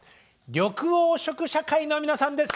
緑黄色社会の皆さんです。